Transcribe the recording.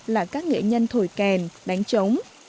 là các mỹ nhân thổi kèn đánh trống